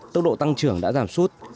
tốc độ tăng trưởng đã giảm suốt